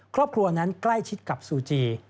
ครอบครัวนั้นใกล้ชิดกับซูจี